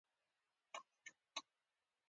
سیاسي چارو کې به لاس نه وهي.